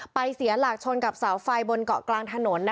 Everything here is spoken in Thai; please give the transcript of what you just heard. เสียหลักชนกับเสาไฟบนเกาะกลางถนน